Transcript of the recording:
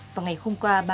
vào ngày hôm qua ba mươi một